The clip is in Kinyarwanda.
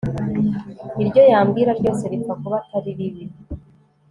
iryo yambwira ryose ripfa kuba atari ribi